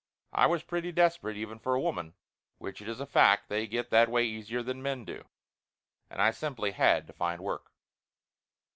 I was pretty desperate, even for a woman, which it is a fact they get that way easier than the men do, and I simply had to find work.